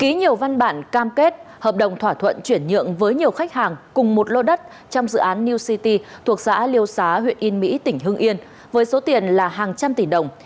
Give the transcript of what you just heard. ký nhiều văn bản cam kết hợp đồng thỏa thuận chuyển nhượng với nhiều khách hàng cùng một lô đất trong dự án new city thuộc xã liêu xá huyện yên mỹ tỉnh hưng yên với số tiền là hàng trăm tỷ đồng